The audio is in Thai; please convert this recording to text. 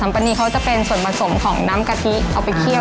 แป้งต้องคั่วด้วย